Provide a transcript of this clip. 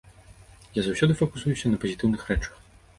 Я заўсёды факусуюся на пазітыўных рэчах.